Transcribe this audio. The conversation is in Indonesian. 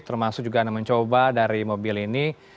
termasuk juga anda mencoba dari mobil ini